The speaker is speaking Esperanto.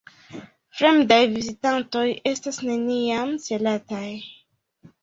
Fremdaj vizitantoj estas neniam celataj.